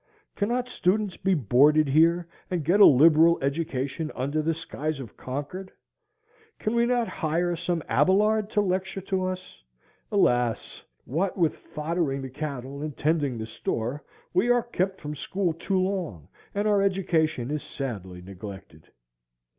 Cannot students be boarded here and get a liberal education under the skies of Concord? Can we not hire some Abelard to lecture to us? Alas! what with foddering the cattle and tending the store, we are kept from school too long, and our education is sadly neglected.